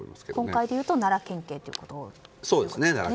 今回で言うと奈良県警ということですね。